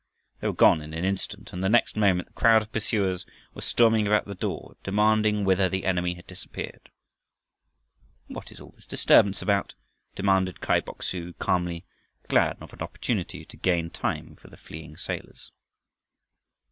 They were gone in an instant, and the next moment the crowd of pursuers were storming about the door demanding whither the enemy had disappeared. "What is all this disturbance about?" demanded Kai Bok su calmly, glad of an opportunity to gain time for the fleeing sailors.